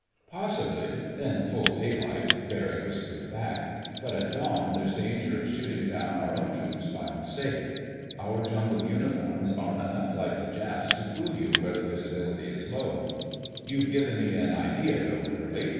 "Possibly—in full daylight," Barry whispered back. "But at dawn there's danger of shooting down our own troops by mistake. Our jungle uniforms are enough like the Japs' to fool you where the visibility is low. You've given me an idea, though, Curly.